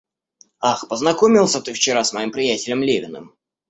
Ах, познакомился ты вчера с моим приятелем Левиным?